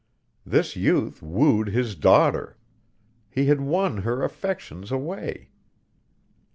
This youth wooed his daughter; he had won her affections away.